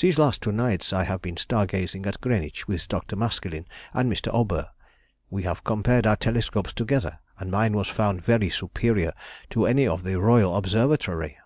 These two last nights I have been star gazing at Greenwich with Dr. Maskelyne and Mr. Aubert. We have compared our telescopes together, and mine was found very superior to any of the Royal Observatory.